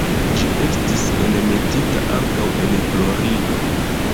Ĝi estis enmetita ankaŭ en Florido.